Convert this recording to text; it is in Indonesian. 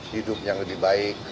hidup yang lebih baik